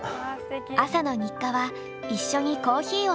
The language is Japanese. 朝の日課は一緒にコーヒーを飲むこと。